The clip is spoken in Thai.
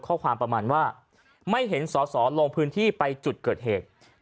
ประมาณว่าไม่เห็นสอสอลงพื้นที่ไปจุดเกิดเหตุ